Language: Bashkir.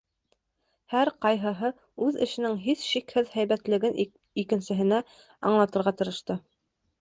Һәр ҡайһыһы үҙ эшенең һис шикһеҙ һәйбәтлеген икенсеһенә аңлатырға тырышты.